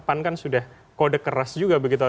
pan kan sudah kode keras juga begitu